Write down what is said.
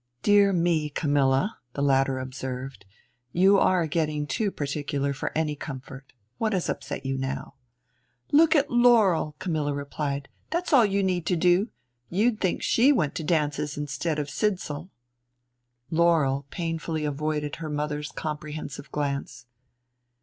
"Dear me, Camilla," the latter observed, "you are getting too particular for any comfort. What has upset you now?" "Look at Laurel," Camilla replied; "that's all you need to do. You'd think she went to dances instead of Sidsall" Laurel painfully avoided her mother's comprehensive glance.